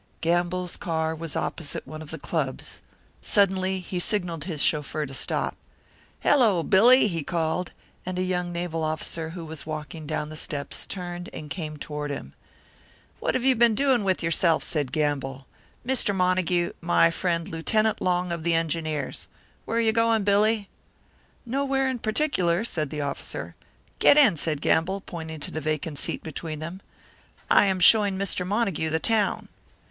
Gamble's car was opposite one of the clubs. Suddenly he signalled his chauffeur to stop. "Hello, Billy!" he called; and a young naval officer who was walking down the steps turned and came toward him. "What have you been doing with yourself?" said Gamble. "Mr. Montague, my friend Lieutenant Long, of the Engineers. Where are you going, Billy?" "Nowhere in particular," said the officer. "Get in," said Gamble, pointing to the vacant seat between them. "I am showing Mr. Montague the town."